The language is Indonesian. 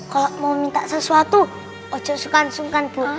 kalau mau minta sesuatu ojo sukan sukan bu